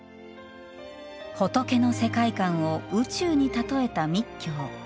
仏の世界観を宇宙に例えた密教。